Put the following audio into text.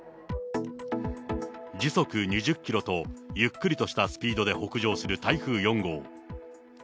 時速２０キロと、ゆっくりとしたスピードで北上する台風４号。